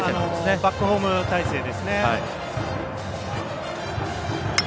バックホーム態勢ですね。